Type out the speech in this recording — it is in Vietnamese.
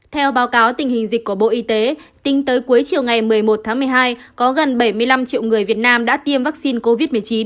theo báo cáo tình hình dịch của bộ y tế tính tới cuối chiều ngày một mươi một tháng một mươi hai có gần bảy mươi năm triệu người việt nam đã tiêm vaccine covid một mươi chín